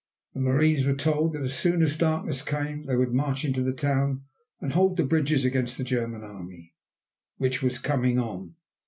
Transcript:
The marines were told that as soon as darkness came they would march into the town and hold the bridges against the German Army, which was coming on.